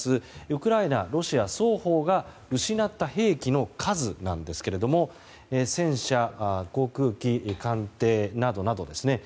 ウクライナ、ロシア双方が失った兵器の数なんですが戦車、航空機艦艇などなどですね。